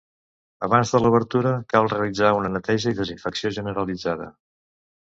Abans de l'obertura cal realitzar una neteja i desinfecció generalitzada.